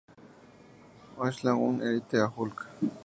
Onslaught elige a Hulk.